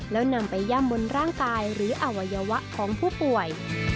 แล้วนำไปย่ำบนร่างกายหรืออวัยวะของผู้ป่วย